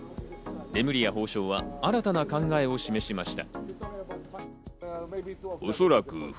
レムリヤ法相は新たな考えを示しました。